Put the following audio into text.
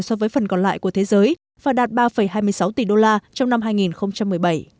so với phần còn lại của thế giới và đạt ba hai mươi sáu tỷ đô la trong năm hai nghìn một mươi bảy